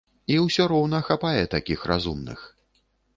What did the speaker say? І усё роўна хапае такіх разумных.